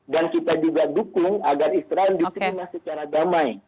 dan kita juga dukung agar israel diserima secara damai